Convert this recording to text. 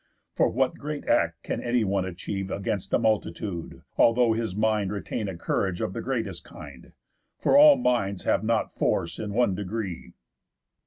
For what great act can anyone achieve Against a multitude, although his mind Retain a courage of the greatest kind? For all minds have not force in one degree."